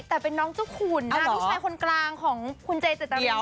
แต่เป็นน้องเจ้าขุนนะลูกชายคนกลางของคุณเจเจตริน